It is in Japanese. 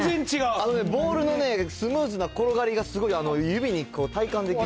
あのね、ボールのスムーズな転がりがすごい指に体感できる。